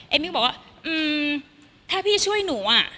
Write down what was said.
เอ็มมี่ก็บอกว่าอืมถ้าพี่ช่วยหนูอะ